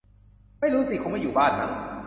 ไม่รู้สิ คงไม่อยู่บ้านมั้ง